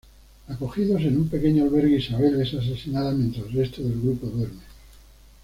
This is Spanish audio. Acogidos en un pequeño albergue, Isabel es asesinada mientras el resto del grupo duerme.